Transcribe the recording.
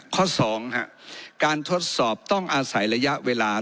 ข้อ๒การทดสอบต้องอาศัยระยะเวลา